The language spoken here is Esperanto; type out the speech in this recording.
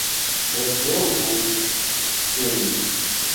Retrovu ŝin!